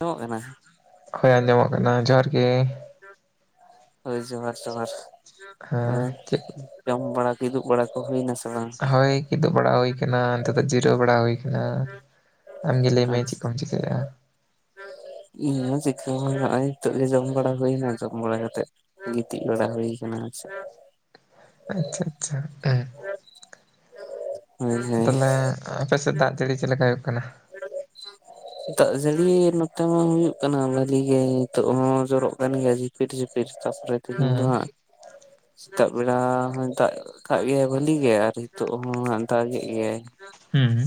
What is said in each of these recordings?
ᱟᱸᱡᱚᱜ ᱠᱟᱱᱟ? ᱦᱳᱭ ᱟᱸᱡᱚᱢᱚᱜ ᱠᱟᱱᱟ ᱡᱚᱦᱟᱨ ᱜᱮ᱾ ᱦᱳᱭ ᱡᱚᱦᱟᱨ ᱡᱚᱦᱟᱨ ᱦᱮᱸ ᱪᱮᱫ ᱦᱮᱸᱡᱚᱢ ᱵᱟᱲᱟ ᱠᱤᱫᱩᱜ ᱵᱟᱲᱟ ᱠᱚ ᱦᱩᱭᱱᱟ ᱥᱮ ᱵᱟᱝ? ᱦᱳᱭ ᱠᱤᱫᱳᱜ ᱵᱟᱲᱟ ᱦᱩᱭ ᱠᱟᱱᱟ᱾ ᱱᱤᱛᱳᱜ ᱫᱚ ᱡᱤᱨᱟᱹᱣ ᱵᱟᱲᱟ ᱦᱩᱭ ᱠᱟᱱᱟ᱾ ᱟᱢᱜᱮ ᱞᱟᱹᱭ ᱢᱮ ᱪᱮᱫ ᱟᱪᱪᱷᱟ᱾ ᱠᱚᱢ ᱪᱤᱠᱟᱹᱭᱮᱫᱼᱟ ᱤᱧ ᱦᱚᱸ ᱪᱤᱠᱟᱹ ᱦᱚᱸᱱᱤᱛᱳᱜ ᱜᱮ ᱡᱚᱢ ᱵᱟᱲᱟ ᱦᱩᱭᱱᱟ ᱡᱚᱢ ᱵᱟᱲᱟ ᱠᱟᱛᱮᱜ ᱜᱤᱛᱤᱡ ᱵᱟᱲᱟ ᱦᱩᱭ ᱠᱟᱱᱟ ᱟᱨ ᱪᱮᱫ᱾ ᱟᱪᱪᱷᱟ, ᱟᱪᱪᱷᱟ ᱦᱮᱸ᱾ ᱦᱳᱭ ᱦᱳᱭ ᱛᱟᱞᱦᱮ ᱟᱯᱮ ᱥᱮᱫ ᱫᱟᱜ ᱡᱟᱹᱲᱤ ᱪᱮᱫ ᱞᱮᱠᱟ ᱦᱳᱭᱳᱜ ᱠᱟᱱᱟ? [inaudible] ᱫᱟᱜ ᱡᱟᱹᱲᱤ ᱱᱚᱛᱮ ᱢᱟ ᱦᱩᱭᱩᱜ ᱠᱟᱱᱟ᱾ ᱵᱷᱟᱞᱤ ᱜᱮ ᱱᱤᱛᱳᱜ ᱦᱚᱸ ᱡᱚᱨᱚᱜ ᱠᱟᱱ ᱜᱮᱭᱟ ᱡᱷᱤᱯᱤᱨ, ᱡᱷᱤᱯᱤᱨ ᱛᱟᱯᱚᱨᱮ ᱛᱤᱦᱤᱧ ᱫᱚ ᱦᱮᱸ ᱦᱟᱸᱜ ᱥᱮᱛᱟᱜ ᱵᱮᱲᱟ ᱦᱚᱸᱭ ᱫᱟᱜ ᱠᱟᱜ ᱜᱮᱭᱟᱭ ᱵᱷᱟᱹᱞᱤ ᱜᱮ᱾ ᱟᱨ ᱦᱤᱛᱳᱜ ᱦᱚᱸ ᱫᱟᱜ ᱜᱮᱜ ᱜᱮᱭᱟᱭ᱾ ᱦᱩᱸ᱾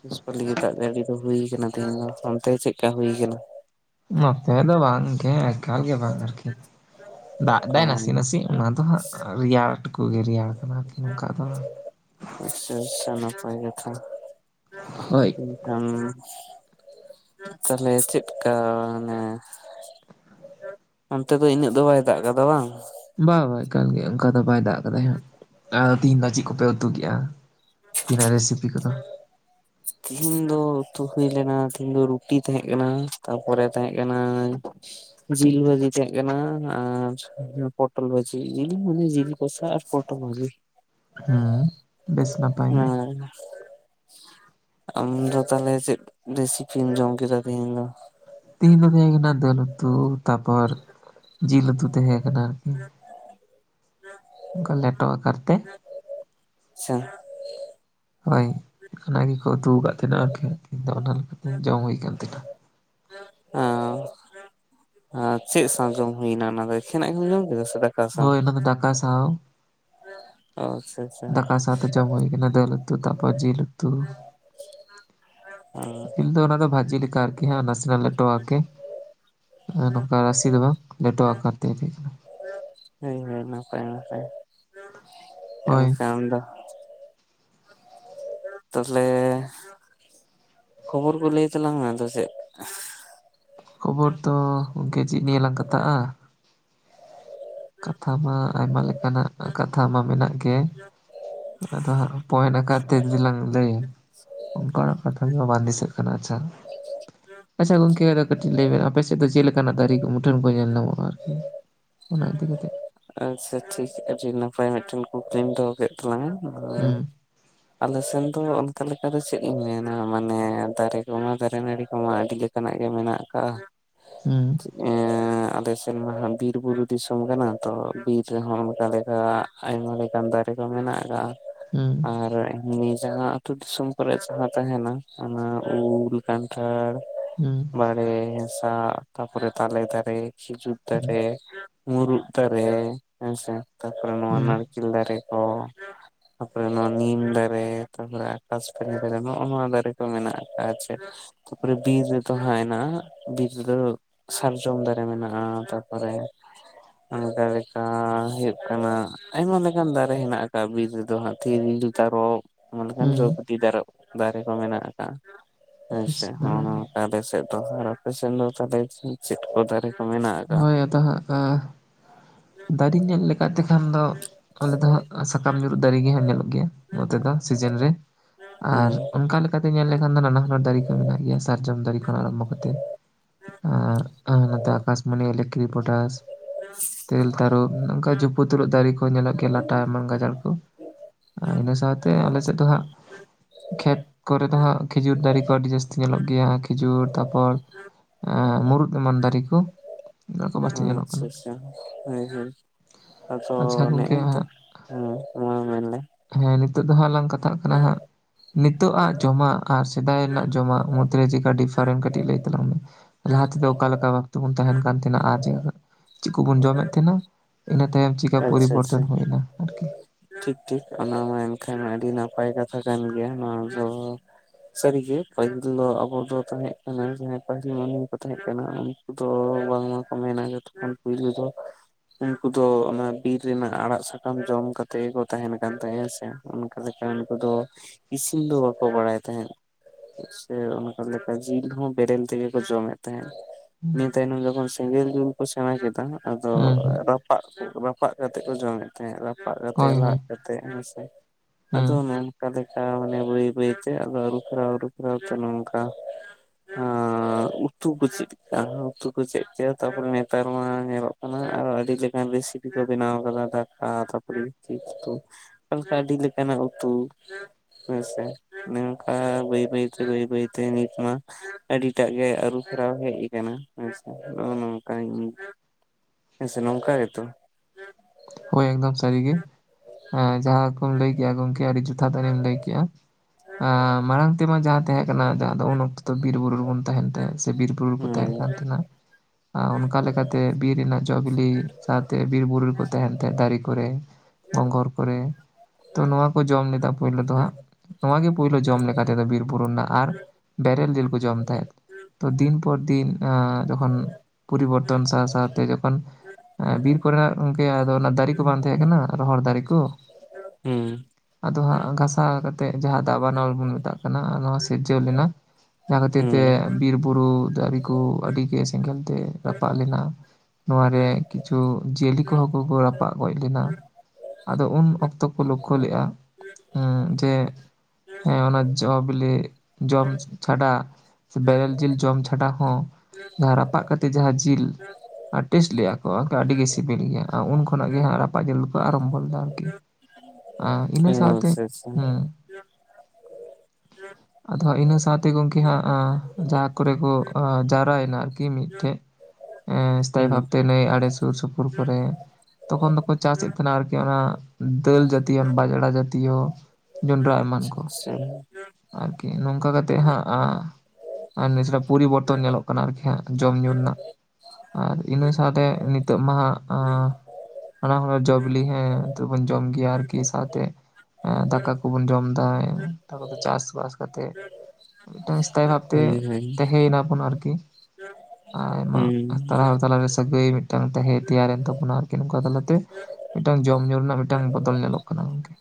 ᱵᱮᱥ ᱵᱷᱟᱹᱞᱤ ᱜᱮ ᱫᱟᱜ ᱡᱟᱹᱲᱤ ᱫᱚ ᱦᱩᱭ ᱠᱟᱱᱟ ᱛᱤᱦᱤᱧ ᱫᱚ᱾ ᱚᱱᱛᱮ ᱪᱮᱫ ᱞᱮᱠᱟ ᱦᱩᱭ ᱠᱟᱱᱟ? ᱱᱚᱛᱮ ᱫᱚ ᱵᱟᱝ ᱜᱮ ᱮᱠᱟᱞ ᱜᱮ ᱵᱟᱝ ᱟᱨᱠᱤ ᱫᱟᱜ ᱚ ᱫᱟᱭ ᱱᱟᱥᱮ, ᱱᱟᱥᱮ᱾ ᱚᱱᱟ ᱫᱚ ᱦᱟᱸᱜ ᱨᱮᱭᱟᱲ ᱴᱩᱠᱩ ᱜᱮ ᱨᱮᱭᱟᱲ ᱠᱟᱱᱟ ᱟᱨᱠᱤ ᱱᱚᱝᱠᱟ ᱫᱚ ᱟᱪᱪᱷᱟ ᱟᱪᱪᱷᱟ ᱱᱟᱯᱟᱭ ᱠᱟᱛᱷᱟ᱾ ᱦᱳᱭ᱾ ᱦᱮᱸ ᱛᱟᱞᱦᱮ ᱪᱮᱫᱠᱟ ᱢᱟᱱᱮ ᱚᱱᱛᱮ ᱫᱚ ᱤᱱᱟᱹᱜ ᱫᱚ ᱵᱟᱭ ᱫᱟᱜ ᱠᱟᱫᱟ ᱵᱟᱝ᱾ ᱵᱟ ᱵᱟ ᱮᱠᱟᱞ ᱜᱮ ᱚᱱᱠᱟ ᱫᱚ ᱵᱟᱭ ᱫᱟᱜ ᱠᱟᱫᱟᱭ ᱦᱟᱸᱜ᱾ ᱟᱨ ᱛᱤᱦᱤᱧ ᱫᱚ ᱪᱮᱫ ᱠᱚᱯᱮ ᱩᱛᱩ ᱠᱮᱜᱼᱟ? ᱛᱤᱹᱱᱟᱜ ᱨᱮᱥᱤᱯᱤ ᱠᱚᱫᱚ? ᱛᱤᱦᱤᱧ ᱫᱚ ᱩᱛᱩ ᱦᱩᱭ ᱞᱮᱱᱟ, ᱛᱤᱦᱤᱧ ᱫᱚ ᱨᱩᱴᱤ ᱛᱟᱦᱮᱸᱜ ᱠᱟᱱᱟ ᱛᱟᱯᱚᱨᱮ ᱛᱟᱦᱮᱸ ᱠᱟᱱᱟ ᱡᱤᱞ ᱵᱷᱟᱹᱡᱤ ᱛᱟᱦᱮᱸᱜ ᱠᱟᱱ, ᱟᱨ ᱯᱚᱴᱚᱞ ᱵᱷᱟᱹᱡᱤ ᱡᱤᱞ ᱢᱟᱱᱮ ᱡᱤᱞ ᱯᱮᱥᱟ ᱟᱨ ᱯᱳᱴᱳ ᱵᱷᱟᱹᱡᱤ᱾ ᱦᱩᱸᱻ ᱵᱮᱥ ᱱᱟᱯᱟᱭ ᱜᱮ᱾ ᱦᱳᱭ ᱱᱟ᱾ ᱟᱢ ᱫᱚ ᱛᱟᱞᱦᱮ ᱪᱮᱫ ᱨᱮᱥᱤᱯᱤᱢ ᱡᱚᱢ ᱠᱮᱫᱟ ᱛᱮᱦᱮᱧ ᱫᱚ? ᱛᱤᱦᱤᱧ ᱫᱚ ᱛᱟᱦᱮ ᱠᱟᱱᱟ ᱫᱟᱹᱞ ᱩᱛᱩ ᱛᱟᱯᱚᱨ ᱡᱤᱞ ᱩᱛᱩ ᱛᱟᱦᱮᱸ ᱠᱟᱱᱟ᱾ ᱚᱱᱠᱟ ᱞᱮᱴᱚ ᱟᱠᱟᱨ ᱛᱮ ᱾ ᱟᱪᱪᱷᱟ᱾ ᱦᱳᱭ ᱚᱱᱟ ᱜᱮᱠᱚ ᱩᱛᱩ ᱠᱟᱜ ᱛᱟᱦᱮᱱᱟ ᱟᱨᱠᱤ ᱛᱮᱦᱮᱧ ᱫᱚ ᱚᱱᱟ ᱞᱮᱠᱟᱛᱮ ᱡᱚᱢ ᱦᱩᱭ ᱠᱟᱱ ᱛᱟᱦᱮᱱᱟ᱾ ᱟᱸᱻ ᱪᱮᱫ ᱥᱟᱶ ᱡᱚᱢ ᱦᱩᱭᱱᱟ ᱚᱱᱟ ᱫᱚ ᱮᱠᱷᱮᱱᱟᱜ ᱜᱮᱢ ᱡᱚᱢ ᱠᱮᱫᱟ ᱥᱮ ᱫᱟᱠ ᱦᱳᱭ ᱚᱱᱟ ᱫᱚ ᱫᱟᱠᱟ ᱥᱟᱶ᱾ ᱚ ᱟᱪᱪᱷᱟ, ᱟᱪᱪᱷᱟ᱾ ᱞᱟᱦᱟ ᱛᱮ ᱡᱚᱢ ᱦᱩᱭ ᱠᱟᱱᱟ ᱫᱟᱹᱞ ᱩᱛᱩ ᱛᱟᱯᱚᱨᱮ ᱡᱤᱞ ᱩᱛᱩ ᱚ ᱡᱤᱞ ᱫᱚ ᱚᱱᱟ ᱫᱚ ᱵᱷᱟᱡᱤ ᱞᱮᱠᱷᱟᱡ ᱠᱤ ᱦᱟᱸᱜ ᱱᱟᱥᱮ ᱱᱟᱜ ᱞᱮᱴᱚ ᱟᱨᱠᱤ ᱱᱚᱝᱠᱟ ᱨᱟᱥᱤ ᱫᱚ ᱵᱟᱝ ᱞᱮᱴᱚ ᱟᱠᱟᱨ ᱛᱮ᱾ ᱛᱟᱦᱮᱜ ᱠᱟᱱᱟ᱾ ᱦᱳ, ᱦᱳᱭ ᱱᱟᱯᱟᱭ ᱱᱟᱯᱟᱭ ᱦᱳᱭ ᱮᱱᱠᱷᱟᱱ ᱫᱚ ᱛᱟᱞᱦᱮ ᱠᱷᱚᱵᱚᱨ ᱠᱚ ᱞᱟᱹᱭ ᱛᱟᱞᱟᱝ ᱢᱮ ᱟᱫᱚ ᱪᱮᱫ? ᱠᱷᱚᱵᱚᱨ ᱫᱚ ᱜᱚᱝᱠᱮ ᱪᱮᱫ ᱱᱤᱭᱟᱹ ᱞᱟᱝ ᱠᱟᱛᱷᱟᱜ-ᱟ᱾ ᱠᱟᱛᱷᱟ ᱢᱟ ᱟᱭᱢᱟ ᱞᱮᱠᱟᱱᱟᱜ ᱠᱟᱛᱷᱟ ᱢᱟ ᱢᱮᱱᱟᱜ ᱜᱮ᱾ ᱟᱫᱚ ᱦᱟᱸᱜ ᱯᱚᱸᱭᱮᱴ ᱟᱠᱟᱨ ᱛᱮ ᱡᱩᱫᱤ ᱞᱟᱝ ᱞᱟᱹᱭᱟ᱾ ᱚᱝᱠᱟᱱᱟᱜ ᱠᱟᱛᱷᱟ ᱜᱮ ᱵᱟᱝ ᱫᱤᱥᱟᱹᱜ ᱠᱟᱱᱟ ᱟᱪᱪᱷᱟ᱾ ᱟᱪᱪᱷᱟ ᱜᱚᱝᱠᱮ ᱟᱨᱚ ᱠᱟᱹᱴᱤᱡ ᱞᱟᱹᱭ ᱵᱤᱱ ᱟᱯᱮ ᱥᱮᱫ ᱫᱚ ᱪᱮᱫ ᱞᱮᱠᱟᱱᱟᱜ ᱫᱟᱨᱮ ᱠᱚ ᱢᱩᱴᱷᱟᱹᱱ ᱠᱚ ᱧᱮᱞ ᱧᱟᱢᱚᱜᱼᱟ ᱟᱨᱠᱤ? ᱚᱱᱟ ᱤᱫᱤ ᱠᱟᱛᱮᱫ, ᱟᱪᱪᱷᱟ ᱴᱷᱤᱠ ᱟᱹᱰᱤ ᱱᱟᱯᱟᱭ ᱢᱤᱫᱴᱮᱱ ᱠᱩᱠᱞᱤᱢ ᱫᱚᱦᱚ ᱠᱮᱫ ᱦᱩᱸ ᱛᱟᱞᱟᱝᱼᱟ᱾ [unintelligible] ᱥᱮᱱ ᱫᱚ ᱟᱫᱚ ᱛᱟᱞᱮ ᱟᱫᱚ ᱪᱮᱜ ᱤᱧ ᱢᱮᱱᱟ ᱢᱟᱱᱮ ᱫᱟᱨᱮ ᱠᱚᱢᱟ ᱫᱟᱨᱮ ᱱᱟᱹᱲᱤ ᱠᱚᱢᱟ ᱟᱹᱰᱤ ᱞᱮᱠᱟᱱᱟᱜ ᱜᱮ ᱢᱮᱱᱟᱜ ᱟᱠᱟᱜᱼᱟ᱾ [inaudible] ᱦᱩᱸ ᱮᱸᱜ ᱟᱞᱮ ᱥᱮᱫ ᱢᱟᱦᱟᱸ ᱦᱟᱸᱜ ᱵᱤᱨ ᱵᱩᱨᱩ ᱫᱤᱥᱚᱢ ᱠᱟᱱᱟ᱾ ᱛᱚ ᱵᱤᱨ ᱨᱮᱦᱚᱸ ᱚᱱᱠᱟ ᱞᱮᱠᱟ ᱟᱭᱢᱟ ᱞᱮᱠᱟ ᱫᱟᱨᱮ ᱠᱚ ᱢᱮᱱᱟᱜ ᱟᱠᱟᱜᱼᱟ᱾ ᱦᱩᱸ ᱟᱨ ᱮᱢᱱᱤ ᱡᱟᱦᱟᱸ ᱟᱛᱩ ᱫᱤᱥᱚᱢ ᱠᱚᱨᱮᱡ ᱡᱟᱦᱟᱸ ᱛᱟᱦᱮᱱᱟ ᱚᱱᱟ ᱩᱞ, ᱠᱷᱟᱱᱴᱟᱲ, ᱦᱩᱸ ᱵᱟᱲᱮ, ᱦᱮᱥᱟᱜ ᱛᱟᱯᱚᱨᱮ ᱛᱟᱞᱮ ᱫᱟᱨᱮ᱾ ᱠᱷᱤᱡᱩᱨ ᱦᱩᱸ ᱫᱟᱨᱮ, ᱢᱩᱨᱩᱫ ᱫᱟᱨᱮ ᱦᱮᱸ ᱥᱮ ᱛᱟᱨᱯᱚᱨᱮ ᱱᱚᱣᱟ ᱦᱩᱸ ᱱᱟᱹᱲ ᱠᱮᱞ ᱫᱟᱨᱮ ᱠᱚ᱾ ᱛᱟᱯᱚᱨᱮ ᱱᱚᱣᱟ ᱱᱤᱢ ᱫᱟᱨᱮ ᱛᱟᱨᱯᱚᱨᱮ ᱟᱠᱟᱥᱯᱟᱱᱤ ᱫᱟᱨᱮ ᱱᱚᱜ-ᱚ ᱱᱚᱣᱟ ᱫᱟᱨᱮ ᱠᱚ ᱢᱮᱱᱟᱜ ᱟᱠᱟᱜᱼᱟ ᱪᱮᱜ ᱛᱟᱯᱚᱨᱮ ᱵᱤᱨ ᱨᱮᱫᱚ ᱦᱟᱸᱜ ᱦᱮᱱᱟᱜ-ᱟ ᱵᱤᱨᱫᱟᱹ ᱥᱟᱨᱡᱚᱢ ᱫᱟᱨᱮ ᱢᱮᱱᱟᱜᱼᱟ ᱛᱟᱨᱯᱚᱨᱮ, ᱚᱝᱠᱟ ᱞᱮᱠᱟ ᱦᱩᱭᱩᱜ ᱠᱟᱱᱟ᱾ ᱟᱭᱢᱟ ᱞᱮᱠᱟᱱ ᱫᱟᱨᱮ ᱦᱮᱱᱟᱜ ᱟᱠᱟᱜᱼᱟ ᱵᱤᱨ ᱨᱮᱫᱚ ᱛᱤᱨᱤᱞ, ᱛᱟᱨᱚᱵ᱾ ᱚᱱᱠᱟᱱ ᱦᱩᱸ ᱡᱚ [unintelligible] ᱫᱟᱨᱚᱵ ᱫᱟᱨᱮ ᱠᱚ ᱢᱮᱱᱟᱜ ᱟᱠᱟᱜᱼᱟ ᱦᱮᱸ ᱵᱮᱥ ᱥᱮ ᱦᱚᱜ-ᱚ ᱱᱟᱯᱟᱭ ᱜᱮ ᱱᱚᱣᱟᱠᱟ ᱟᱞᱮ ᱥᱮᱫ ᱛᱚᱦᱟᱨ ᱟᱯᱮ ᱥᱮᱱ ᱫᱚ ᱛᱟᱞᱦᱮ ᱪᱤᱜ ᱪᱮᱫ ᱠᱚ ᱫᱟᱨᱮ ᱠᱚ ᱢᱮᱱᱟᱜ ᱟᱠᱟᱜᱼᱟ? ᱛᱚ ᱦᱟᱸᱜ ᱟᱸ, ᱫᱟᱨᱤ ᱧᱮᱞ ᱞᱮᱠᱟᱜ ᱛᱮᱠᱷᱟᱱ ᱫᱚ, ᱜ ᱟᱞᱮ ᱫᱚ ᱦᱟᱸᱜ ᱥᱟᱠᱟᱢ ᱧᱩᱨᱩᱜ ᱫᱟᱨᱤ ᱜᱤ ᱦᱟᱸᱜ ᱧᱮᱞᱚᱜ ᱜᱮᱭᱟ ᱱᱚᱛᱮ ᱫᱚ ᱥᱤᱡᱤᱱ ᱨᱮ᱾ ᱟᱨ ᱦᱩᱸ ᱚᱝᱠᱟ ᱞᱮᱠᱟᱛᱮ ᱧᱮᱞ ᱞᱮᱠᱷᱟᱱ ᱫᱚ ᱱᱟᱱᱟᱦᱩᱱᱟᱹᱨ ᱫᱟᱨᱮ ᱠᱚ ᱢᱮᱱᱟᱜ ᱜᱮᱭᱟ ᱥᱟᱨᱡᱚᱢ ᱫᱟᱨᱮ ᱠᱷᱚᱱ ᱟᱨᱟᱢᱵᱷᱚ ᱠᱟᱛᱮᱫ᱾ ᱟᱸ-ᱟᱦ ᱱᱚᱛᱮ ᱟᱠᱟᱥᱢᱟᱹᱱᱤ, ᱮᱞᱮᱠᱤᱨᱤ, ᱯᱚᱴᱟᱹᱥ᱾ ᱛᱮᱨᱮᱞ ᱛᱟᱨᱚᱵ ᱱᱚᱝᱠᱟ ᱡᱩᱯᱩᱛᱩᱲᱩᱜ ᱫᱟᱨᱤ ᱠᱚ ᱧᱮᱞᱚᱜ ᱜᱮᱭᱟ ᱞᱟᱴᱟ ᱮᱢᱟᱱ ᱜᱟᱡᱟᱲ ᱠᱚ ᱟ ᱤᱱᱟᱹ ᱥᱟᱶᱛᱮ ᱟᱞᱮ ᱥᱮᱫ ᱫᱚ ᱦᱟᱸᱜ, ᱠᱷᱮᱛ ᱠᱚᱨᱮ ᱫᱚ ᱦᱟᱸᱜ ᱠᱷᱤᱡᱩᱨ ᱫᱟᱨᱤ ᱠᱚ ᱟᱹᱰᱤ ᱡᱟᱹᱥᱛᱤ ᱧᱮᱞᱚᱜ ᱜᱮᱭᱟ ᱠᱷᱮᱡᱩᱨ ᱛᱟᱯᱚᱨ, ᱮᱸ ᱢᱩᱨᱩᱫ ᱮᱢᱟᱱ ᱫᱟᱨᱤ ᱠᱩ ᱚᱱᱟ ᱠᱚ [unintelligible] ᱧᱮᱞᱚᱜ ᱠᱟᱱᱟ᱾ ᱦᱟᱹᱭ ᱦᱟᱹᱭ ᱟᱫᱚ ᱟᱪᱪᱷᱟ ᱱᱮᱜᱼᱮ ᱜᱚᱝᱠᱮ ᱱᱮᱛᱟᱨ ᱦᱟᱸᱜ ᱦᱮᱸ ᱢᱟ ᱢᱮᱱ ᱢᱮ᱾ ᱦᱮᱸ ᱱᱤᱛᱚᱜ ᱫᱚ ᱦᱟᱸᱜ ᱞᱟᱝ ᱠᱟᱛᱷᱟᱜ ᱠᱟᱱᱟ ᱦᱟᱸᱜ, ᱱᱤᱛᱚᱜ ᱟᱜ ᱡᱚᱢᱟᱜ ᱟᱨ ᱥᱮᱫᱟᱭ ᱨᱮᱱᱟᱜ ᱡᱚᱢᱟᱜ ᱢᱩᱫᱽ ᱨᱮ ᱪᱮᱜᱼᱠᱟ ᱰᱤᱯᱷᱟᱨᱮᱱᱴ ᱠᱟᱹᱴᱤᱡ ᱞᱟᱹᱭ ᱛᱟᱞᱟᱝ ᱢᱮ? ᱞᱟᱦᱟ ᱛᱮᱫᱚ ᱚᱠᱟ ᱞᱮᱠᱟ ᱵᱷᱟᱵᱛᱮ ᱵᱚᱱ ᱛᱟᱦᱮᱱ ᱠᱟᱱ ᱛᱟᱦᱮᱸᱱᱟ ᱟᱨ [unintelligible] ᱪᱤᱜ ᱠᱚᱵᱩᱱ ᱡᱚᱢᱮᱫ ᱛᱮᱱᱟᱝ ᱤᱱᱟᱹ ᱛᱟᱭᱚᱢ ᱪᱤᱠᱟ ᱟᱪᱪᱷᱟ ᱟᱪᱪᱷᱟ᱾ ᱯᱚᱨᱤᱵᱚᱨᱛᱚᱱ ᱦᱩᱭᱱᱟ ᱟᱨᱠᱤ ᱴᱷᱤᱠ ᱴᱷᱤᱠ ᱚᱱᱟ ᱢᱟ ᱮᱱᱠᱷᱟᱱ ᱟᱹᱰᱤ ᱱᱟᱯᱟᱭ ᱠᱟᱛᱷᱟ ᱠᱟᱱ ᱜᱮᱭᱟ ᱱᱚᱣᱟ ᱫᱚ᱾ ᱥᱟᱹᱨᱤᱜᱮ ᱯᱟᱹᱦᱤᱞ ᱫᱚ ᱟᱵᱚ ᱫᱚ ᱛᱟᱦᱮᱸᱜ ᱠᱟᱱᱟ ᱡᱟᱦᱟᱸᱭ ᱯᱟᱹᱦᱤᱞ ᱢᱟᱹᱱᱢᱤᱠᱚ ᱛᱟᱦᱮᱸᱜ ᱠᱟᱱᱟ ᱠᱩ ᱫᱚ ᱵᱟᱝᱢᱟ ᱠᱚ ᱢᱮᱱᱟ ᱡᱚᱛᱚᱠᱷᱚᱱ ᱯᱩᱭᱞᱩ ᱫᱚ, ᱩᱱᱠᱩ ᱫᱚ ᱚᱱᱟ ᱵᱤᱨ ᱨᱮᱱᱟᱜ ᱟᱲᱟᱜ ᱥᱟᱠᱟᱢ ᱡᱚᱢ ᱠᱟᱛ ᱛᱮᱜᱮ ᱠᱚ ᱛᱟᱦᱮᱱ ᱠᱟᱱ ᱛᱟᱦᱮᱸ-ᱟ ᱦᱮᱸ ᱥᱮ ᱚᱱᱠᱟ ᱞᱮᱠᱟ ᱩᱱᱠᱩ ᱫᱚ ᱤᱥᱤᱱ ᱫᱚ ᱵᱟᱠᱚ ᱵᱟᱲᱟᱭ ᱛᱟᱦᱮᱸᱫ ᱾ ᱥᱮ ᱚᱱᱠᱟ ᱞᱮᱠᱟ ᱡᱤᱞ ᱦᱚᱸ ᱵᱮᱨᱮᱞ ᱛᱮᱜᱮ ᱠᱚ ᱡᱚᱢᱮᱫ ᱛᱟᱦᱮᱸᱫ ᱾ ᱱᱤᱭᱟᱹ ᱛᱟᱭᱱᱚᱢ ᱡᱚᱠᱷᱚᱱ ᱥᱮᱸᱜᱮᱞ ᱡᱩᱞ ᱠᱚ ᱥᱮᱬᱟ ᱠᱮᱫᱟ ᱟᱫᱚ ᱦᱩᱸ ᱦᱩᱸ ᱨᱟᱯ ᱨᱟᱯᱟᱜ ᱨᱟᱯᱟᱜ ᱠᱟᱛᱮ ᱠᱚ ᱡᱚᱢᱮᱫ ᱛᱟᱦᱮᱸᱫ ᱨᱟᱯᱟᱜ ᱠᱟ ᱛᱮ ᱦᱳᱭ ᱦᱳᱭ ᱞᱟᱜ ᱠᱟᱛᱮ ᱦᱮᱸ ᱥᱮ ᱟᱫᱚ ᱦᱩᱸ ᱢᱮᱱ ᱚᱠᱟ ᱞᱮᱠᱟ ᱢᱟᱱᱮ ᱵᱟᱹᱭ ᱵᱟᱹᱭ ᱛᱮ ᱟᱫᱚ ᱟᱹᱨᱩ ᱯᱷᱮᱨᱟᱣ ᱟᱹᱨᱩ ᱯᱷᱮᱨᱟᱣ ᱛᱮ ᱱᱚᱝᱠᱟ ᱦᱟᱸ ᱩᱛᱩ ᱠᱩ ᱪᱮᱫ ᱟᱨᱦᱚᱸ ᱩᱛᱩ ᱠᱚ ᱪᱮᱫ ᱠᱮᱫ-ᱟ ᱛᱟᱨᱯᱚᱨᱮ ᱱᱮᱛᱟᱨ ᱢᱟ ᱧᱮᱞᱚᱜ ᱠᱟᱱᱟ ᱟᱨ ᱟᱹᱰᱤ ᱞᱮᱠᱟᱱ ᱨᱮᱥᱤᱯ ᱯᱤ ᱠᱚ ᱵᱮᱱᱟᱣ ᱟᱠᱟᱫᱟ ᱫᱟᱠᱟ ᱛᱟᱯᱚᱨᱮ ᱩᱛᱩ᱾ ᱟᱱᱠᱟ ᱟᱹᱰᱤ ᱞᱮᱠᱟ ᱟᱹᱰᱤ ᱞᱮᱠᱟᱱᱟᱜ ᱩᱛᱩ᱾ ᱦᱮᱸ ᱥᱮ᱾ ᱱᱚᱝᱠᱟ ᱵᱟᱹᱭ ᱵᱟᱹᱭ ᱛᱮ ᱵᱟᱹᱭ ᱵᱟᱹᱭ ᱛᱮ ᱱᱤᱛ ᱢᱟ ᱟᱹᱰᱤ ᱴᱟᱜ ᱜᱮ ᱟᱹᱨᱩ ᱯᱷᱮᱨᱟᱣ ᱦᱮᱡ ᱟᱠᱟᱱᱟ ᱦᱳᱭ ᱥᱮ᱾ ᱱᱚᱭ ᱱᱚᱝᱠᱟ ᱜᱤ᱾ ᱦᱮᱸ ᱥᱮ ᱱᱚᱝᱠᱟ ᱜᱮᱛᱚ? ᱦᱳᱭ ᱮᱠᱫᱚᱢ ᱥᱟᱹᱨᱤ ᱜᱮ ᱮᱸ ᱦᱮᱸ ᱡᱟᱦᱟᱸ ᱠᱚᱢ ᱞᱟᱹᱭ ᱠᱮᱜ-ᱟ ᱜᱚᱝᱠᱮ ᱟᱹᱰᱤ ᱡᱩᱛ᱾ ᱛᱷᱟᱛ ᱟᱱᱤᱢ ᱞᱟᱹᱭ ᱠᱮᱜ-ᱟ᱾ ᱟᱸ ᱢᱟᱲᱟᱝ ᱛᱮᱢᱟ ᱡᱟᱦᱟᱸ ᱛᱟᱦᱮᱸ ᱠᱟᱱᱟ ᱡᱟᱦᱟᱸ ᱫᱚ ᱩᱱ ᱚᱠᱛᱚ ᱫᱚ ᱵᱤᱨ ᱵᱩᱨᱩ ᱨᱮᱵᱚᱱ ᱛᱟᱦᱮᱱ ᱛᱟᱦᱮᱸ ᱥᱮ ᱵᱤᱨ ᱵᱩᱨᱩ ᱨᱮᱠᱚ ᱛᱟᱦᱮᱱ ᱦᱩᱸ ᱠᱟᱱ ᱛᱟᱦᱮᱱᱟ᱾ ᱟᱸ ᱚᱱᱠᱟ ᱞᱮᱠᱟᱛᱮ ᱵᱤᱨ ᱨᱮᱱᱟᱜ ᱡᱚ ᱵᱤᱞᱤ ᱥᱟᱶᱛᱮ ᱵᱤᱨ ᱵᱩᱨᱩ ᱨᱮᱠᱚ ᱮᱱᱛᱮᱫ ᱫᱟᱨᱮ ᱠᱚᱨᱮ ᱜᱚᱝᱜᱚᱨ ᱠᱚᱨᱮ ᱛᱚ ᱱᱚᱣᱟ ᱠᱚ ᱡᱚᱢ ᱞᱮᱫᱟ ᱯᱳᱭᱞᱳ ᱫᱚ ᱦᱟᱸᱜ᱾ ᱱᱚᱣᱟ ᱜᱮ ᱯᱳᱭᱞᱳ ᱡᱚᱢ ᱞᱮᱠᱟ ᱛᱮᱫᱚ ᱵᱤᱨ ᱵᱩᱨᱩ ᱨᱮᱱᱟᱜ ᱟᱨ ᱵᱮᱨᱮᱞ ᱡᱤᱞ ᱠᱚ ᱡᱚᱢ ᱛᱟᱦᱮᱸᱫ᱾ ᱛᱚ ᱫᱤᱱ ᱯᱚᱨ ᱫᱤᱱ ᱟᱸ ᱡᱚᱠᱷᱚᱱ ᱯᱚᱨᱤᱵᱚᱨᱛᱚᱱ ᱥᱟᱶ ᱥᱟᱶᱛᱮ ᱡᱚᱠᱷᱚᱱ ᱵᱤᱨ ᱠᱚᱨᱮᱱᱟᱜ ᱦᱮᱸ ᱟᱫᱚ ᱚᱱᱟ ᱫᱟᱨᱮ ᱠᱚ ᱵᱟᱝ ᱛᱟᱦᱮᱸ ᱠᱟᱱᱟ ᱨᱚᱦᱚᱲ ᱫᱟᱨᱮ ᱠᱚ᱾ ᱦᱩᱸ ᱟᱫᱚ ᱦᱟᱸᱜ ᱜᱷᱟᱥᱟᱣ ᱠᱟᱛᱮᱜ ᱡᱟᱦᱟᱸ ᱫᱟᱵᱟᱱᱚᱞ ᱵᱚᱱ ᱢᱮᱛᱟᱜ ᱠᱟᱱᱟ ᱟ ᱱᱚᱣᱟ ᱥᱤᱨᱡᱟᱹᱣ ᱞᱮᱱᱟ᱾ ᱡᱟᱦᱟᱸ ᱠᱷᱟᱹᱛᱤᱨ ᱛᱮ ᱦᱩᱸ ᱵᱤᱨ ᱵᱩᱨᱩ ᱫᱟᱨᱮ ᱠᱚ ᱟᱹᱰᱤ ᱜᱮ ᱥᱮᱸᱜᱮᱞ ᱛᱮ ᱨᱟᱯᱟᱜ ᱞᱮᱱᱟ ᱱᱚᱣᱟ ᱨᱮ ᱠᱤᱪᱷᱩ ᱡᱤᱭᱟᱹᱞᱤ ᱠᱩ ᱦᱚᱠᱚ ᱨᱟᱯᱟᱜ ᱜᱚᱡ ᱞᱮᱱᱟ᱾ ᱟᱫᱚ ᱩᱱ ᱚᱠᱛᱚ ᱠᱚ ᱞᱚᱠᱠᱷᱚ ᱞᱮᱜ-ᱟ ᱩᱸ ᱡᱮ ᱦᱮᱸ ᱚᱱᱟ ᱡᱚ ᱵᱤᱞᱤ ᱡᱚᱢ ᱪᱷᱟᱰᱟ ᱥᱮ ᱵᱮᱨᱮᱞ ᱡᱤᱞ ᱡᱚᱢ ᱪᱷᱟᱰᱟ ᱦᱚᱸ ᱡᱟᱦᱟᱸ ᱨᱟᱯᱟᱜ ᱠᱟᱛᱮᱫ ᱡᱟᱦᱟᱸ ᱡᱤᱞ ᱚᱵᱟ ᱴᱮᱥᱴ ᱞᱮᱜ-ᱟ ᱠᱚ ᱟᱹᱰᱤ ᱜᱮ ᱥᱤᱵᱤᱞ ᱜᱮᱭᱟ᱾ ᱟᱨ ᱩᱱ ᱠᱷᱚᱱᱟᱜ ᱜᱮ ᱦᱟᱸᱜ ᱨᱟᱯᱟᱜ ᱡᱤᱞ ᱫᱚᱠᱚ ᱟᱨᱚᱢᱵᱚ ᱞᱮᱫᱟ ᱟᱨᱠᱤ᱾ ᱟᱨ ᱤᱱᱟᱹ ᱥᱟᱣᱛᱮ ᱟᱪᱪᱷᱟ ᱟᱪᱪᱷᱟ ᱦᱮᱸ᱾ ᱟᱫᱚ ᱦᱟᱸᱜ ᱤᱱᱟᱹ ᱥᱟᱶᱛᱮ ᱜᱚᱝᱠᱮ ᱦᱟᱸᱜ ᱟᱸ ᱡᱟᱦᱟᱸ ᱠᱚᱨᱮ ᱠᱚ ᱟᱸ ᱡᱟᱨ [unintelligible] ᱣᱮᱱᱟ ᱟᱨᱠᱤ ᱢᱤᱫᱴᱷᱮᱡ᱾ ᱮᱸ ᱥᱛᱷᱟᱭᱤ ᱦᱩᱸ ᱵᱷᱟᱵᱛᱮ ᱱᱟᱹᱭ ᱟᱲᱮ ᱥᱩᱨ ᱥᱩᱯᱩᱨ ᱠᱚᱨᱮ᱾ ᱛᱚᱠᱷᱚᱱ ᱫᱚᱠᱚ ᱪᱟᱥᱮᱫ ᱛᱟᱦᱮᱱᱟ ᱟᱨᱠᱤ ᱚᱱᱟ ᱫᱟᱹᱞ ᱡᱟᱹᱛᱤᱭᱚ ᱚᱱᱟ ᱵᱟᱡᱽᱲᱟ ᱡᱟᱹᱛᱤᱭᱚ᱾ ᱡᱚᱱᱰᱨᱟ ᱮᱢᱟᱱ ᱟᱪᱪᱷᱟ ᱠᱚ, ᱟᱪᱪᱷᱟ ᱟᱨᱠᱤ ᱱᱚᱝᱠᱟ ᱠᱟᱛᱮᱫ ᱦᱟᱸᱜ ᱟᱨ ᱱᱤᱭᱟᱹ ᱪᱷᱟᱲᱟ ᱯᱚᱨᱤᱵᱚᱨᱛᱚᱱ ᱧᱮᱞᱚᱜ ᱠᱟᱱᱟ ᱟᱨᱠᱤ ᱦᱟᱸᱜ ᱡᱚᱢ ᱧᱩ ᱨᱮᱱᱟᱜ᱾ ᱟᱨ ᱤᱱᱟᱹ ᱥᱟᱶᱛᱮ ᱱᱤᱛᱚᱜ ᱢᱟ ᱦᱟᱸᱜ ᱟᱸ ᱱᱟᱱᱟ ᱦᱩᱱᱟᱨ ᱡᱚ ᱵᱤᱞᱤ ᱦᱮᱸ ᱱᱤᱛᱚᱜ ᱵᱚᱱ ᱡᱚᱢ ᱜᱮᱭᱟ ᱟᱨᱠᱤ ᱥᱟᱣᱛᱮ ᱫᱟᱠᱟ ᱠᱚᱵᱚᱱ ᱡᱚᱢ ᱮᱫᱟ, ᱛᱟᱯᱚᱛᱮ ᱪᱟᱥ ᱵᱟᱥ ᱠᱟᱛᱮᱜ᱾ ᱢᱤᱫᱴᱟᱝ ᱥᱛᱷᱟᱭᱤ ᱵᱷᱟᱵᱛᱮ ᱦᱳᱭ ᱦᱳᱭ ᱛᱮᱦᱮ ᱭᱮᱱᱟᱵᱚᱱ ᱟᱨᱠᱤ᱾ ᱟᱭᱢᱟ ᱦᱩᱸ ᱛᱟᱞᱟᱨᱮ ᱛᱟᱞᱟᱨᱮ ᱥᱟᱹᱜᱟᱹᱭ ᱢᱤᱫᱴᱟᱝ ᱛᱮᱦᱮ ᱛᱮᱭᱟᱨᱮᱱ ᱛᱟᱵᱚᱱᱟ᱾ ᱟᱨᱠᱤ ᱱᱚᱝᱠᱟ ᱛᱟᱞᱟᱛᱮ ᱢᱤᱫᱴᱟᱝ ᱡᱚᱢ ᱧᱩ ᱨᱮᱱᱟᱜ ᱢᱤᱫᱴᱟᱝ ᱵᱚᱫᱚᱞ ᱧᱮᱞᱚᱜ ᱠᱟᱱᱟ ᱜᱚᱝᱠᱮ᱾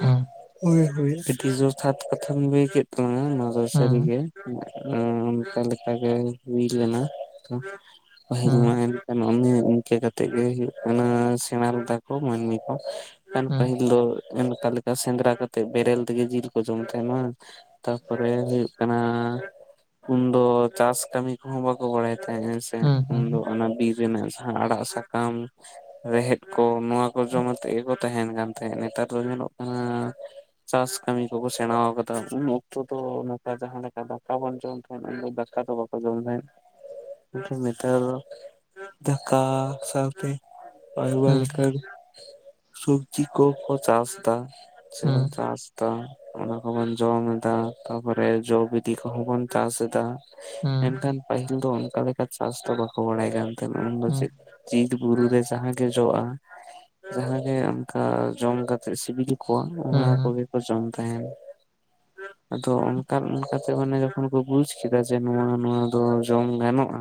ᱦᱩᱸ ᱦᱳᱭ ᱦᱳᱭ ᱟᱹᱰᱤ ᱡᱚᱛᱷᱟᱛ ᱠᱟᱛᱷᱟᱢ ᱞᱟᱹᱭ ᱠᱮᱫ ᱛᱟᱞᱟᱝᱟ᱾ ᱚᱱᱟ ᱫᱚ ᱦᱩᱸ ᱥᱟᱹᱨᱤᱜᱮ ᱟᱸ ᱚᱱᱠᱟ ᱞᱮᱠᱟ ᱜᱮ ᱦᱩᱭ ᱞᱮᱱᱟ᱾ ᱯᱟᱹᱦᱤᱞ ᱦᱩᱸ ᱢᱟ ᱮᱱᱠᱷᱟᱱ ᱚᱱᱮ ᱤᱱᱠᱟᱹ ᱠᱟᱛᱮᱜ ᱜᱮ ᱦᱩᱭᱩᱜ ᱠᱟᱱᱟ ᱥᱮᱬᱟ ᱞᱮᱫᱟ ᱠᱚ ᱢᱟᱹᱱᱢᱤ ᱠᱚ᱾ ᱠᱟᱱ ᱦᱩᱸ ᱯᱟᱹᱦᱤᱞ ᱫᱚ ᱮᱱᱠᱟ ᱞᱮᱠᱟ ᱥᱮᱸᱫᱽᱨᱟ ᱠᱟᱛᱮᱜ ᱵᱮᱨᱮᱞ ᱛᱮᱜᱮ ᱡᱤᱞ ᱠᱚ ᱡᱚᱢ ᱛᱟᱦᱮᱸᱱᱟ ᱵᱟᱝ᱾ ᱛᱟᱯᱚᱨᱮ ᱦᱩᱭᱩᱜ ᱠᱟᱱᱟ ᱩᱱ ᱫᱚ ᱪᱟᱥ ᱠᱟᱹᱢᱤ ᱠᱚᱦᱚᱸ ᱵᱟᱠᱚ ᱵᱟᱲᱟᱭ ᱛᱟᱦᱮᱸᱫ ᱾ ᱦᱮᱸ ᱥᱮ? ᱦᱩᱸ ᱦᱩᱸ ᱚᱱᱟ ᱵᱤᱨ ᱨᱮᱱᱟᱜ ᱡᱟᱦᱟᱸ ᱟᱲᱟᱜ ᱥᱟᱠᱟᱢ ᱨᱮᱦᱮᱫ ᱠᱚ ᱱᱚᱣᱟ ᱠᱚ ᱡᱚᱢ ᱠᱟᱛᱮᱫ ᱜᱮᱠᱚ ᱛᱟᱦᱮᱱ ᱠᱟᱱ ᱛᱟᱦᱮᱸᱫ ᱾ ᱱᱮᱛᱟᱨ ᱫᱚ ᱧᱮᱞᱚᱜ ᱠᱟᱱᱟ ᱪᱟᱥ ᱠᱟᱹᱢᱤ ᱠᱚᱠᱚ ᱥᱮᱬᱟᱣ ᱟᱠᱟᱫᱟ ᱾ ᱩᱱ ᱚᱠᱛᱚ ᱫᱚ ᱱᱚᱝᱠᱟ ᱡᱟᱦᱟᱸ ᱞᱮᱠᱟ ᱫᱟᱠᱟ ᱵᱚᱱ ᱡᱚᱢ ᱛᱟᱦᱮᱸᱫ ᱚᱱᱟ ᱫᱟᱠᱟ ᱫᱚ ᱵᱟᱝ ᱠᱚ ᱡᱚᱢ ᱛᱟᱦᱮᱸᱫ ᱾ ᱱᱤᱛ ᱫᱟᱠᱟ ᱥᱟᱶᱛᱮ ᱟᱭᱢᱟ ᱦᱩᱸ ᱞᱮᱠᱟᱱ ᱥᱚᱵᱡᱤ ᱠᱚ ᱠᱚ ᱪᱟᱥ ᱫᱟ ᱾ ᱥᱮ ᱦᱩᱸ ᱵᱚᱱ ᱪᱟᱥ ᱫᱟ ᱾ ᱚᱱᱟ ᱠᱚᱵᱚᱱ ᱡᱚᱢ ᱮᱫᱟ ᱾ ᱛᱟᱯᱚᱨᱮ ᱡᱚ-ᱵᱤᱞᱤ ᱠᱚᱦᱚᱸ ᱵᱚᱱ ᱪᱟᱥ ᱮᱫᱟ ᱾ ᱦᱩᱸ ᱢᱮᱱᱠᱷᱟᱱ ᱯᱟᱹᱦᱤᱞ ᱫᱚ ᱚᱱᱠᱟ ᱞᱮᱠᱟ ᱪᱟᱥ ᱫᱚ ᱵᱟᱠᱚ ᱵᱟᱲᱟᱭ ᱠᱟᱱ ᱛᱟᱦᱮᱱᱟ ᱾ᱩᱱᱫᱚ ᱦᱩᱸ ᱪᱮᱫ ᱵᱤᱨ ᱵᱩᱨᱩ ᱨᱮ ᱡᱟᱦᱟᱸ ᱜᱮ ᱡᱚᱜᱼᱟ ᱾ ᱡᱟᱦᱟᱸ ᱜᱮ ᱚᱱᱠᱟ ᱡᱚᱢ ᱠᱟᱛᱮᱫ ᱥᱤᱵᱤᱞ ᱠᱚᱣᱟ ᱦᱩᱸ ᱚᱱᱟ ᱠᱚᱜᱮ ᱠᱚ ᱡᱚᱢ ᱛᱟᱦᱮᱫ ᱾ ᱟᱫᱚ ᱚᱱᱠᱟ ᱚᱱᱠᱟᱛᱮ ᱚᱱᱮ ᱡᱚᱠᱷᱚᱱ ᱠᱚ ᱵᱩᱡᱷ ᱠᱮᱫᱟ ᱡᱮ ᱱᱚᱣᱟ ᱱᱚᱣᱟ ᱫᱚ ᱡᱚᱢ ᱜᱟᱱᱚᱜᱼᱟ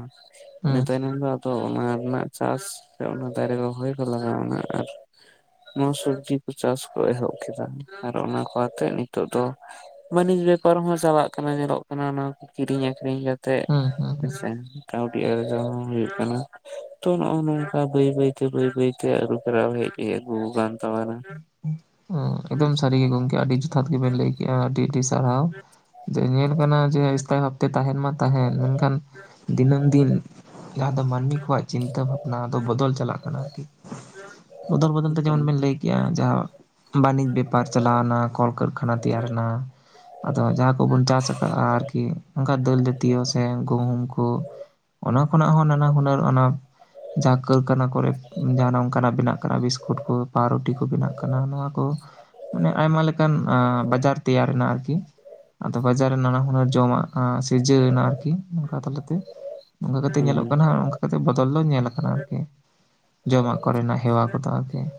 ᱤᱱᱟᱹ ᱦᱩᱸ ᱛᱟᱭᱱᱚᱢ ᱫᱚ ᱛᱚ ᱚᱱᱟ ᱨᱮᱱᱟᱜ ᱪᱟᱥ ᱚᱱᱟ ᱫᱟᱨᱮ ᱨᱚᱦᱚᱭ ᱠᱚ ᱞᱟᱜᱟᱣ ᱮᱱᱟ ᱟᱨ ᱱᱚᱣᱟ ᱥᱚᱵᱡᱤ ᱠᱚ ᱪᱟᱥ ᱠᱚ ᱮᱦᱚᱵ ᱠᱮᱫᱟ ᱟᱨ ᱚᱱᱟ ᱠᱚ ᱟᱛᱮᱫ ᱱᱤᱛᱚᱜ ᱫᱚ ᱵᱟᱹᱱᱤᱡᱽ ᱵᱮᱯᱟᱨ ᱦᱚᱸ ᱪᱟᱞᱟᱜ ᱠᱟᱱᱟ ᱧᱮᱞᱚᱜ ᱠᱟᱱᱟ ᱚᱱᱟ ᱠᱚ ᱠᱤᱨᱤᱧ ᱟᱠᱷᱨᱤᱧ ᱠᱟᱛᱮᱫ ᱛᱮ ᱦᱩᱸ ᱦᱩᱸ ᱦᱮᱸ ᱦᱩᱸ ᱥᱮ ᱠᱟᱹᱣᱰᱤ ᱟᱨᱡᱟᱣ ᱦᱚᱸ ᱦᱩᱭᱩᱜ ᱠᱟᱱᱟ ᱾ ᱛᱚ ᱱᱚᱜᱼᱚ ᱱᱚᱝᱠᱟ ᱵᱟᱹᱭ ᱵᱟᱹᱭᱛᱮ ᱵᱟᱹᱭ ᱵᱟᱹᱭᱛᱮ ᱟᱹᱨᱩ ᱯᱷᱮᱨᱟᱣ ᱦᱮᱡ ᱟᱹᱜᱩᱣᱟᱠᱟᱱ ᱮᱠᱫᱚᱢ ᱥᱟᱹᱨᱤ ᱜᱮ ᱜᱚᱢᱠᱮ ᱾ ᱟᱹᱰᱤ ᱡᱚᱛᱷᱟᱛ ᱜᱮᱵᱮᱱ ᱞᱟᱹᱭ ᱠᱮᱫᱼᱟ ᱟᱹᱰᱤ ᱟᱹᱰᱤ ᱥᱟᱨᱦᱟᱣ ᱾ ᱡᱮ ᱧᱮᱞ ᱠᱟᱱᱟ ᱡᱮ ᱮᱥᱛᱟᱭ ᱵᱷᱟᱵᱛᱮ ᱛᱟᱦᱮᱱ ᱢᱟ ᱛᱟᱦᱮᱱ ᱢᱮᱱᱠᱷᱟᱱ ᱫᱤᱱᱟᱹᱢ ᱫᱤᱱ ᱡᱟᱦᱟᱸ ᱫᱚ ᱢᱟᱹᱱᱢᱤ ᱠᱚᱣᱟᱜ ᱪᱤᱱᱛᱟᱹ ᱵᱷᱟᱵᱽᱱᱟ ᱫᱚ ᱵᱚᱫᱚᱞ ᱪᱟᱞᱟᱜ ᱠᱟᱱᱟ ᱟᱨᱠᱤ ᱾ ᱵᱚᱫᱚᱞ ᱵᱚᱫᱚᱞ ᱦᱮᱸ ᱛᱮ ᱮᱠᱟᱞ ᱡᱮᱚᱱ ᱵᱮᱱ ᱞᱟᱹᱭ ᱡᱟᱦᱟᱸ ᱵᱟᱹᱱᱤᱡᱽ ᱵᱮᱯᱟᱨ ᱪᱟᱞᱟᱣᱱᱟ ᱠᱚᱞ ᱠᱟᱨᱠᱷᱟᱱᱟ ᱛᱮᱭᱟᱨ ᱮᱱᱟ ᱟᱫᱚ ᱡᱟᱦᱟᱸ ᱠᱚᱵᱚᱱ ᱪᱟᱥ ᱟᱠᱟᱫᱼᱟ ᱟᱨᱠᱤ ᱚᱱᱠᱟ ᱫᱟᱹᱞ ᱡᱟᱹᱛᱤᱭᱚ ᱥᱮ ᱜᱩᱦᱩᱢ ᱠᱚ ᱚᱱᱟ ᱠᱷᱚᱱᱟᱜ ᱦᱚᱸ ᱱᱟᱱᱟ ᱦᱩᱱᱟᱹᱨ ᱚᱱᱟ ᱡᱟᱦᱟᱸ ᱠᱟᱹᱨᱠᱷᱟᱱᱟ ᱠᱚᱨᱮ ᱡᱟᱦᱟ ᱚᱱᱠᱟᱱᱟᱜ ᱵᱮᱱᱟᱜ ᱠᱟᱱᱟ ᱵᱤᱥᱠᱩᱴ ᱠᱚ ᱠᱚ ᱵᱮᱱᱟᱜ ᱠᱟᱱᱟ ᱱᱚᱣᱟ ᱠᱚ ᱢᱟᱱᱮ ᱟᱭᱢᱟ ᱞᱮᱠᱟᱱ ᱵᱟᱡᱟᱨ ᱛᱮᱭᱟᱨ ᱮᱱᱟ ᱟᱨᱠᱤ ᱟᱫᱚ ᱵᱟᱡᱟᱨ ᱨᱮ ᱱᱟᱱᱟ ᱦᱩᱱᱟᱹᱨ ᱡᱚᱢᱟᱜᱼᱟ ᱥᱤᱨᱡᱟᱹᱣ ᱮᱱᱟ ᱟᱨᱠᱤ ᱱᱚᱝᱠᱟ ᱛᱟᱞᱟᱛᱮ ᱾ ᱱᱚᱝᱠᱟ ᱠᱟᱛᱮᱫ ᱧᱮᱞᱚᱜ ᱠᱟᱱᱟ ᱱᱚᱝᱠᱟ ᱠᱟᱛᱮ ᱵᱚᱫᱚᱞ ᱫᱚ ᱧᱮᱞ ᱟᱠᱟᱱᱟ ᱟᱨᱠᱤ ᱾ ᱡᱚᱢᱟᱜ ᱠᱚᱨᱮᱱᱟᱜ ᱦᱮᱣᱟ ᱠᱚᱫᱚ ᱟᱨᱠᱤ ᱾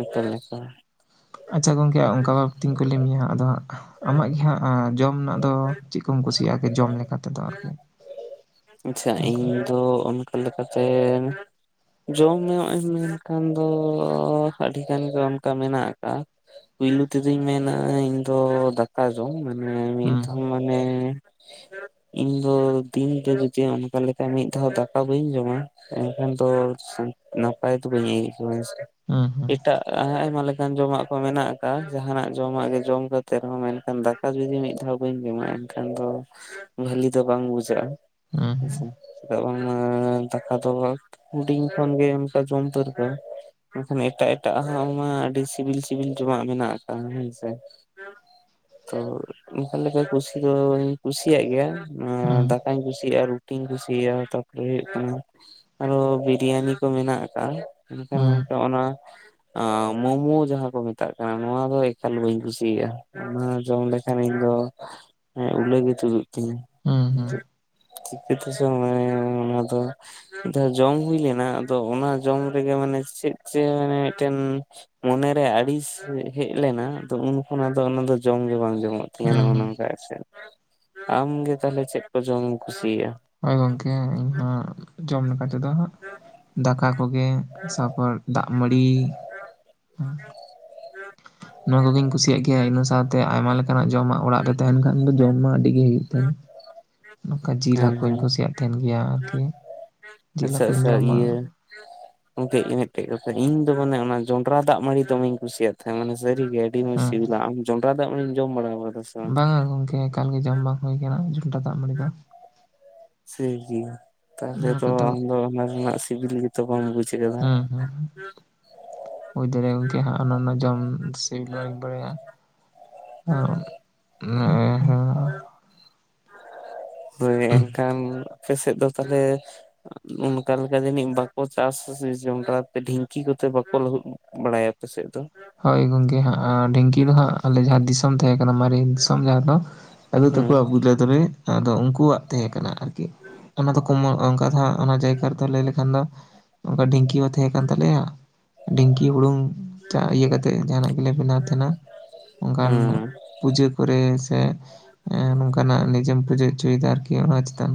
ᱮᱠᱫᱚᱢ ᱮᱠᱫᱚᱢ ᱾ ᱟᱪᱪᱷᱟ ᱜᱚᱢᱠᱮ ᱚᱱᱠᱟ ᱵᱟᱵᱛᱤᱧ ᱠᱩᱞᱤ ᱢᱮᱭᱟ ᱦᱟᱸᱜ ᱟᱫᱚ ᱦᱟᱸᱜ ᱟᱢᱟᱜ ᱜᱮ ᱦᱟᱸᱜ ᱡᱚᱢ ᱨᱮᱱᱟᱜ ᱫᱚ ᱪᱮᱫ ᱠᱚᱢ ᱠᱩᱥᱤᱭᱟᱜᱼᱟ? ᱟᱨᱠᱤ ᱡᱚᱢ ᱞᱮᱠᱟ ᱛᱮᱫᱚ ᱟᱨᱠᱤ ᱛᱚ ᱚᱱᱠᱟ ᱞᱮᱠᱟᱛᱮ ᱡᱚᱢ ᱦᱚᱸ ᱮᱢ ᱢᱮᱱᱠᱷᱟᱱ ᱫᱚ ᱟᱹᱰᱤ ᱜᱟᱱ ᱜᱮ ᱚᱱᱠᱟ ᱢᱮᱱᱟᱜ ᱟᱠᱟ-ᱟ ᱾ ᱯᱩᱭᱞᱩ ᱛᱮᱫᱚᱧ ᱢᱮᱱᱟ ᱤᱧ ᱫᱚ ᱫᱟᱠᱟ ᱡᱚᱢ ᱢᱟᱱᱮ ᱢᱤᱫ ᱦᱩᱸ ᱢᱟᱱᱮ ᱤᱧ ᱫᱚ ᱫᱤᱱ ᱜᱮ ᱡᱩᱫᱤ ᱚᱱᱠᱟ ᱞᱮᱠᱟ ᱢᱤᱫ ᱫᱷᱟᱣ ᱫᱟᱠᱟ ᱵᱟᱹᱧ ᱡᱚᱢᱟ ᱮᱱ ᱠᱷᱟᱱ ᱫᱚ ᱱᱟᱯᱟᱭ ᱫᱚ ᱵᱟᱹᱧ ᱟᱹᱭ ᱦᱩᱸ ᱦᱩᱸ ᱮᱴᱟᱜ ᱟᱭᱢᱟ ᱞᱮᱠᱟᱱ ᱡᱚᱢᱟᱜ ᱠᱚ ᱢᱮᱱᱟᱜ ᱟᱠᱟᱫ-ᱟ ᱾ ᱡᱟᱦᱟᱱᱟᱜ ᱡᱚᱢᱟᱜ ᱜᱮ ᱡᱚᱢ ᱠᱟᱛᱮ ᱨᱮᱦᱚᱸ ᱢᱮᱱᱠᱷᱟᱱ ᱫᱟᱠᱟ ᱡᱩᱫᱤ ᱢᱤᱫ ᱫᱷᱟᱣ ᱵᱟᱹᱧ ᱡᱚᱢᱟ, ᱮᱱᱠᱷᱟᱱ ᱫᱚ ᱵᱷᱟᱞᱤ ᱫᱚ ᱵᱟᱝ ᱵᱩᱡᱷᱟᱹᱜᱼᱟ ᱦᱩᱸ ᱾ ᱦᱮᱸᱥᱮ? ᱪᱮᱫᱟᱜ ᱵᱟᱝ ᱫᱟᱠᱟ ᱫᱚ ᱦᱩᱰᱤᱧ ᱠᱷᱚᱱ ᱜᱮ ᱚᱱᱠᱟ ᱡᱚᱢ ᱯᱟᱹᱨᱠᱟᱹᱣ ᱢᱮᱱᱠᱷᱟᱱ ᱮᱴᱟᱜ ᱮᱴᱟᱜ ᱦᱟᱸᱜ ᱢᱟ ᱟᱹᱰᱤ ᱥᱤᱵᱤᱞ ᱥᱤᱵᱤᱞ ᱡᱚᱢᱟᱜ ᱢᱮᱱᱟᱜ ᱟᱠᱟᱫ-ᱟ ᱦᱮᱸᱥᱮ᱾ [unintelligible] ᱞᱮᱠᱟ ᱠᱩᱥᱤ ᱫᱚᱧ ᱠᱩᱥᱤᱭᱟᱜ ᱜᱮᱭᱟ ᱦᱩᱸ ᱫᱟᱠᱟᱧ ᱠᱩᱥᱤᱭᱟᱜ-ᱟ ᱨᱩᱴᱤᱧ ᱠᱩᱥᱤᱭᱟᱜ-ᱟ᱾ ᱦᱩᱭᱩᱜ ᱠᱟᱱᱟ ᱟᱨᱚ ᱵᱤᱨᱭᱟᱱᱤ ᱠᱚ ᱢᱮᱱᱟᱜ ᱟᱠᱟᱜ-ᱟ, ᱢᱮᱱᱠᱷᱟᱱ ᱦᱩᱸ ᱜᱚᱢᱠᱮ ᱚᱱᱟ ᱟᱸ ᱢᱳᱢᱳ ᱡᱟᱦᱟᱸ ᱠᱚ ᱢᱮᱛᱟᱜ ᱠᱟᱱᱟ ᱱᱚᱣᱟ ᱫᱚ ᱮᱠᱟᱞ ᱵᱟᱹᱧ ᱠᱩᱥᱤᱭᱟᱜ-ᱟ, ᱚᱱᱟ ᱡᱚᱢ ᱞᱮᱠᱷᱟᱱ ᱤᱧ ᱫᱚ ᱦᱮᱸ ᱩᱞᱟᱹ ᱜᱮ ᱛᱩᱫᱩᱜ ᱛᱤᱧᱟᱹ, ᱦᱩᱸ ᱩᱸ ᱦᱩᱸ ᱪᱮᱜ ᱪᱤᱠᱟᱹ ᱛᱮ [inaudible] ᱚᱱᱮ ᱚᱱᱟ ᱫᱚ᱾ ᱫᱚ ᱡᱚᱢ ᱦᱩᱭ ᱞᱮᱱᱟ ᱟᱫᱚ ᱚᱱᱟ ᱡᱚᱢ ᱨᱮᱜᱮ ᱢᱟᱱᱮ ᱪᱮᱫ ᱪᱚᱜ ᱢᱟᱱᱮ ᱢᱤᱫᱴᱮᱱ ᱢᱚᱱᱮ ᱨᱮ ᱟᱲᱤᱥ ᱦᱮᱡ ᱞᱮᱱᱟ ᱛᱚ ᱩᱱ ᱠᱷᱚᱱ ᱟᱫᱚ ᱚᱱᱟ ᱫᱚ ᱡᱚᱢ ᱜᱮ ᱵᱟᱝ ᱡᱚᱢᱚᱜ ᱛᱤᱧᱟ ᱦᱩᱸ ᱱᱚᱜ ᱚᱱᱟ᱾ ᱦᱩᱸ ᱱᱚᱠᱟ ᱜᱮᱥᱮᱜ᱾ ᱟᱢᱜᱮ ᱛᱟᱦᱚᱞᱮ ᱪᱮᱫ ᱠᱚ ᱡᱚᱢᱮᱢ ᱠᱩᱥᱤᱭᱟᱜ-ᱟ? ᱦᱚᱭ ᱜᱚᱝᱠᱮ ᱤᱧ ᱦᱚᱸ ᱡᱚᱢ ᱞᱮᱠᱟ ᱛᱮᱫᱚ ᱦᱟᱸᱜ ᱫᱟᱠ ᱠᱟ ᱠᱚᱜᱮ ᱥᱟᱨᱯᱚᱨ ᱫᱟᱜ ᱢᱟᱹᱲᱤ, ᱟ [unintelligible] ᱱᱚᱣᱟ ᱠᱚᱜᱤᱧ ᱠᱩᱥᱤᱭᱟᱜ ᱜᱮᱭᱟ ᱤᱱᱟᱹ ᱥᱟᱶᱛᱮ ᱟᱭᱢᱟ ᱞᱮᱠᱟᱱᱟᱜ ᱡᱚᱢᱟᱜ ᱚᱲᱟᱜ ᱨᱮ ᱛᱮᱦᱮᱱ ᱠᱷᱟᱱ ᱫᱚ ᱡᱚᱢ ᱢᱟ ᱟᱹᱰᱤ ᱜᱮ ᱦᱩᱭᱩᱜ ᱛᱮᱦᱮᱸᱱ ᱾ ᱱᱚᱠᱟ ᱡᱤᱞ ᱦᱮᱸ ᱦᱟᱠᱩᱧ ᱦᱮᱸ ᱠᱩᱥᱤᱭᱟᱜ ᱛᱮᱦᱮᱱ ᱜᱮᱭᱟ ᱟᱨᱠᱤ ᱡᱤᱞ ᱟᱪᱪᱷᱟ ᱦᱟᱹᱠᱩᱧ ᱟᱪᱪᱷᱟ ᱡᱚᱢᱟ ᱾ ᱤᱭᱟᱹ ᱜᱚᱝᱠᱮ ᱤᱧ ᱢᱤᱫᱴᱮᱡ ᱠᱟᱛᱷᱟ ᱤᱧ ᱫᱚ ᱢᱟᱱᱮ ᱚᱱᱟ ᱡᱚᱱᱰᱨᱟ ᱫᱟᱜ ᱢᱟᱹᱲᱤ ᱫᱚᱢᱮᱧ ᱠᱩᱥᱤᱭᱟᱜ ᱛᱟᱦᱮᱸᱱ ᱢᱟᱱᱮ ᱥᱟᱹᱨᱤ ᱜᱮ ᱟᱹᱰᱤ ᱢᱚᱡᱽ ᱦᱮᱸ ᱥᱤᱵᱤᱞᱟ ᱟᱢ ᱡᱚᱱᱰᱨᱟ ᱫᱟᱜ ᱢᱟᱹᱲᱤᱢ ᱡᱚᱢ ᱵᱟᱲᱟᱣ ᱠᱟᱫᱟ? ᱵᱟᱝᱟ ᱜᱚᱝᱠᱮ ᱮᱠᱟᱞ ᱜᱮ ᱡᱚᱢ ᱵᱟᱝ ᱦᱩᱭ ᱠᱟᱱᱟ ᱡᱚᱱᱨᱰᱟ ᱫᱟᱜ ᱢᱟᱹᱲᱤ ᱫᱚ ᱾ ᱥᱟᱹᱭ ᱜᱮ ᱛᱟᱦᱚᱞᱮ ᱱᱚᱣᱟ ᱛᱚ ᱠᱚᱫᱚ ᱟᱢ ᱫᱚ ᱚᱱᱟ ᱨᱮᱱᱟᱜ ᱥᱤᱵᱤᱞ ᱜᱮᱛᱚ ᱵᱟᱢ ᱵᱩᱡᱷᱟᱹᱣᱟ ᱾ [unintelligible] ᱦᱩᱭ ᱫᱟᱲᱮᱭᱟᱜ-ᱟ ᱜᱚᱝᱠᱮ ᱦᱟᱸᱜ ᱚᱱᱟ ᱡᱚᱢ ᱥᱤᱵᱤᱞ‌ ᱵᱹᱟᱧ ᱵᱟᱲᱟᱭᱟ ᱾ [unintelligible] ᱦᱳᱭ ᱮᱱᱠᱷᱟᱱ ᱟᱯᱮ ᱥᱮᱫ ᱫᱚ ᱛᱟᱦᱚᱞᱮ ᱟᱸᱫ ᱚᱱᱠᱟ ᱞᱮᱠᱟ ᱡᱟᱹᱱᱤᱡ ᱵᱟᱠᱚ ᱪᱟᱥᱟ ᱥᱮ ᱡᱚᱱᱰᱨᱟ ᱛᱮ ᱰᱷᱤᱝᱠᱤ ᱠᱚᱛᱮ ᱵᱟᱠᱚ ᱞᱟᱹᱦᱩᱫ ᱵᱟᱲᱟᱭᱟ ᱾ ᱟᱯᱮ ᱥᱮᱜ ᱫᱚ ᱦᱚᱭ ᱜᱚᱝᱠᱮ ᱦᱟᱸᱜ ᱟᱸ ᱰᱷᱤᱝᱠᱤ ᱫᱚ ᱦᱟᱸᱜ ᱟᱞᱮ ᱡᱟᱦᱟᱸ ᱫᱤᱥ ᱥᱚᱢ ᱛᱟᱦᱮᱸ ᱠᱟᱱᱟ ᱢᱟᱨᱮ ᱫᱤᱥᱚᱢ ᱡᱟᱦᱟᱸ ᱫᱚ ᱫᱟᱫᱩ ᱦᱩᱸ ᱛᱟᱠᱚ ᱟᱜᱩ ᱞᱮᱫ ᱛᱚᱵᱮ ᱟᱫᱚ ᱩᱱᱠᱩᱣᱟᱜ ᱛᱮᱦᱮᱸ ᱠᱟᱱᱟ ᱟᱨᱠᱤ᱾ ᱚᱱᱟ ᱫᱚ ᱠᱩᱢᱚ ᱚ ᱠᱟᱛᱷᱟ ᱚᱱᱟ ᱡᱟᱭᱜᱟ ᱨᱮᱫᱚ ᱞᱟᱹᱭ ᱞᱮᱠᱷᱟᱱ ᱫᱚ ᱚᱝᱠᱟ ᱰᱷᱤᱝᱠᱤ ᱦᱚᱸ ᱛᱮᱦᱮᱸ ᱠᱟᱱ ᱛᱟᱞᱮᱭᱟ ᱰᱷᱤᱝᱠᱤ ᱦᱩᱲᱩᱝ ᱪᱟ ᱤᱭᱟᱹ ᱠᱟᱛᱮᱜ ᱡᱟᱦᱟᱸ ᱱᱟᱜ ᱜᱮᱞᱮ ᱵᱮᱱᱟᱣ ᱛᱟᱦᱮᱱᱟ ᱚᱱᱠᱟᱱ ᱦᱩᱸ ᱯᱩᱡᱟᱹ ᱠᱚᱨᱮ ᱥᱮ ᱮᱸ ᱱᱚᱝᱠᱟ ᱱᱟᱜ ᱱᱤᱡᱮᱢ ᱯᱩᱡᱟᱹ ᱩᱪᱩᱭ ᱫᱟ ᱟᱨᱠᱤ ᱚᱱᱟ ᱪᱮᱛᱟᱱ